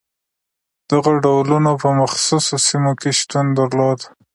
دغو ډولونه په مخصوصو سیمو کې شتون درلود.